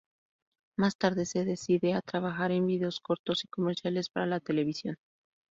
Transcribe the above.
Más tarde se decide a trabajar en vídeos cortos y comerciales para la televisión.